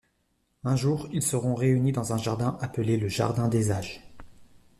Un jour, ils seront réunis dans un jardin, appelé “le jardin des âges”.